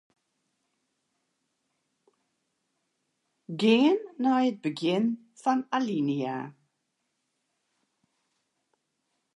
Gean nei it begjin fan alinea.